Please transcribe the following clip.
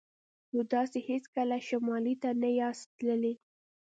نو تاسې هیڅکله شمال ته نه یاست تللي